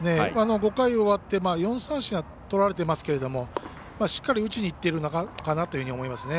５回終わって４三振とられてますけどしっかり打ちにいっているかなというふうに思いますね。